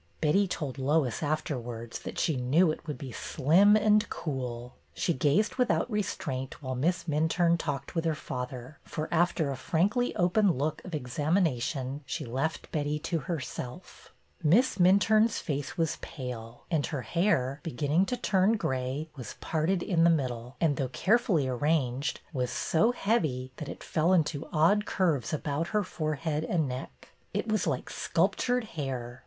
Betty told Lois afterwards that she knew it would be slim and cool." She gazed without restraint while Miss Minturne talked with her father, for, after a frankly open look of examination, she left Betty to herself Miss Minturne's face was pale, and her hair, beginning to turn gray, was parted in the middle, and though carefully arranged was so heavy that it fell into odd curves about her forehead and neck. It was like sculptured hair.